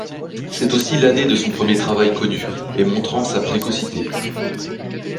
C'est aussi l'année de son premier travail connu et montrant sa précocité.